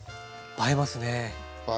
映えますね。